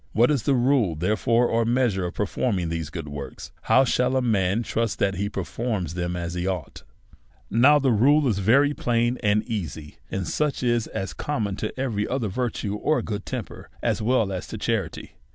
What is the rule, therefore, or measure of performing these good works? How shall a man trust that he performs them as he ought ? Now, the rule is very plain and easy, and such as is common to every other virtue or good temper, as well as to charity.